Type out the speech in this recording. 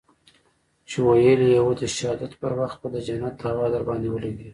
چې ويلي يې وو د شهادت پر وخت به د جنت هوا درباندې ولګېږي.